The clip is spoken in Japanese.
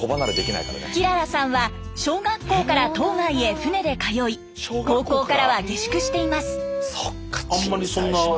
きららさんは小学校から島外へ船で通い高校からは下宿しています。